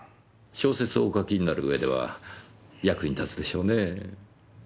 小説をお書きになるうえでは役に立つでしょうねぇ。